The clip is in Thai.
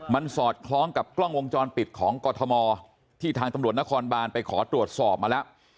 มันสอดคล้องกับกล้องวงจรปิดของกรทมที่ทางตำรวจนครบานไปขอตรวจสอบมาแล้ว